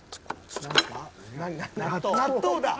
納豆だ！